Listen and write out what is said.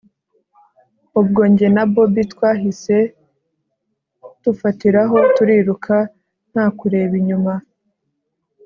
ubwo njye na bobi twahise tufatiraho turiruka ntakureba inyuma